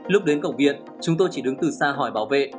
lúc đến cổng viện chúng tôi chỉ đứng từ xa hỏi bảo vệ